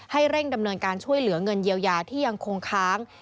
เร่งดำเนินการช่วยเหลือเงินเยียวยาที่ยังคงค้าง